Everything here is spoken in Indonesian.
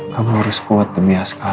kamu harus kuat demi sk